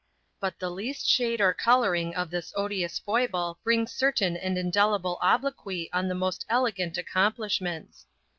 But the least shade or coloring of this odious foible brings certain and indelible obloquy on the most elegant accomplishments.